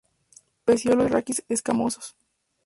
Pecíolo y raquis escamosos.